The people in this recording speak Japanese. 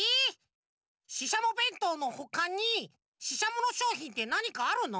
ししゃもべんとうのほかにししゃものしょうひんってなにかあるの？